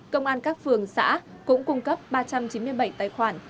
công an các phường xã cũng cung cấp ba trăm chín mươi bảy tài khoản